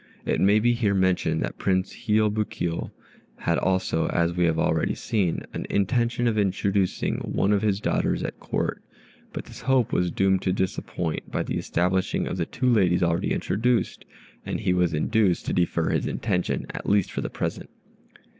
It may be here mentioned that Prince Hiob Kio had also, as we have already seen, an intention of introducing one of his daughters at Court; but this hope was doomed to disappointment by the establishing of the two ladies already introduced, and he was induced to defer his intention, at least for the present.